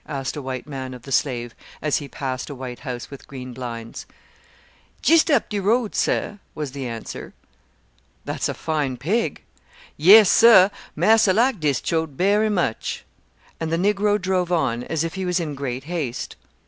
asked a white man of the slave, as he passed a white house with green blinds. "Jist up de road, sir," was the answer. "That's a fine pig." "Yes, sir, marser like dis choat berry much." And the Negro drove on as if he was in great haste.